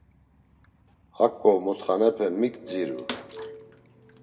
Haǩo mutxanepe mik dziru?